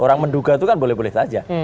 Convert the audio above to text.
ya kalau menduga itu kan boleh boleh saja